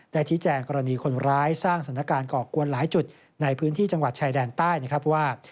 ชี้แจงกรณีคนร้ายสร้างสถานการณ์ก่อกวนหลายจุดในพื้นที่จังหวัดชายแดนใต้นะครับว่า